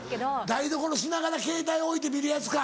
台所しながらケータイ置いて見るやつか。